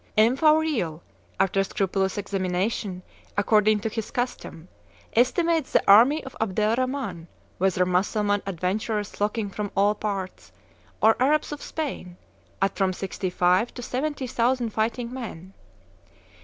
M. Fauriel, after scrupulous examination, according to his custom, estimates the army of Abdel Rhaman, whether Mussulman adventurers flocking from all parts, or Arabs of Spain, at from sixty five to seventy thousand fighting men.